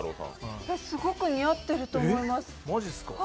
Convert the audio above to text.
すごく似合ってると思います。